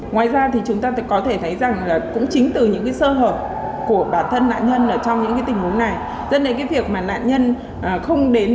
ngoài ra thì chúng ta có thể thấy rằng là cũng chính từ những cái sơ hợp của bản thân nạn nhân là trong những cái tình huống này dẫn đến cái việc mà nạn nhân không đến